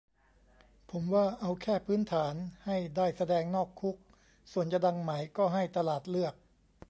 ผมว่าเอาแค่พื้นฐาน ให้ได้แสดงนอกคุก ส่วนจะดังไหมก็ให้ตลาดเลือก